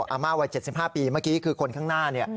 อาม่าวัย๗๕ปีเมื่อกี้คือคนข้างหน้าเนี่ย